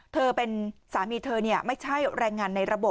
เธอเป็นสามีเธอไม่ใช่แรงงานในระบบ